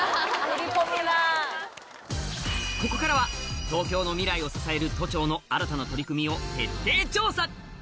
ここからは東京の未来を支える都庁の新たな取り組みを徹底調査